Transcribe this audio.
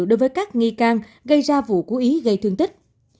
đối với các nghi can gây ra vụ cố ý gây thương tích